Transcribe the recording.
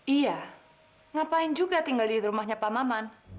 iya ngapain juga tinggal di rumahnya pak maman